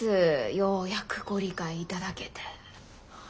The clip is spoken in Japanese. ようやくご理解頂けて。